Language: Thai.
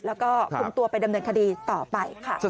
แล้วก็คุมตัวไปดำเนินคดีต่อไปค่ะ